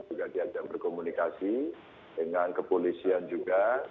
juga diajak berkomunikasi dengan kepolisian juga